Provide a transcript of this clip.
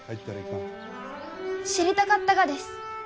知りたかったがです。